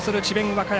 和歌山